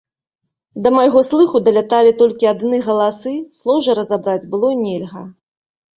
Да майго слыху даляталі толькі адны галасы, слоў жа разабраць было нельга.